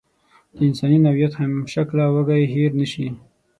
د انساني نوعیت همشکله وږی هېر نشي.